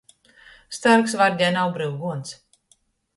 Starks vardei nav bryugons.